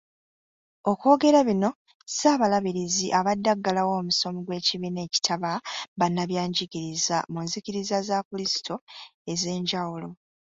Okwogera bino Ssaabalabirizi abadde aggalawo omusomo gw’ekibiina ekitaba bannabyanjigiriza mu nzikiriza za Kulisito ez’enjawulo.